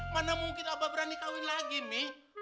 mana mungkin apa berani kawin lagi mi